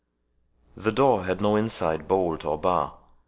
The door had no inside bolt or bar.